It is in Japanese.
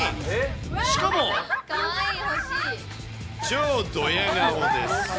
しかも、超ドヤ顔です。